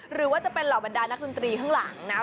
หรือว่าจะเป็นเหล่าบรรดานักดนตรีข้างหลังนะ